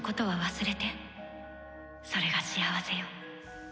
それが幸せよ。